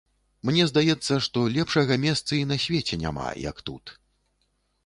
Мне здаецца, што лепшага месца і на свеце няма, як тут.